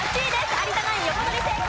有田ナイン横取り成功。